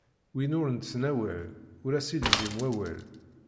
Win ur nettnawal, ur as-ilzim wawal.